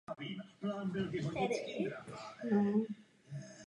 Je pravda, že středem zájmu naší politiky musí zůstat prevence.